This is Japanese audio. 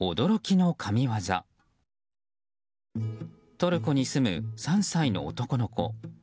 トルコに住む３歳の男の子。